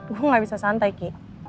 wah gak bisa santai ki